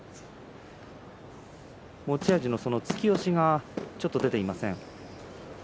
持ち味の突き押しがちょっと出ていません。